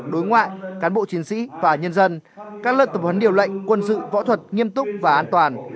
đối ngoại cán bộ chiến sĩ và nhân dân các lớp tập huấn điều lệnh quân sự võ thuật nghiêm túc và an toàn